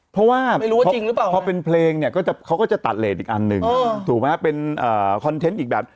เพราะว่าพอเป็นเพลงเนี่ยเขาก็จะตัดเลสอีกอันนึงถูกมั้ยเป็นคอนเทนต์อีกแบบ